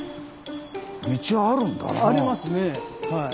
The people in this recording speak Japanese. ありますねはい。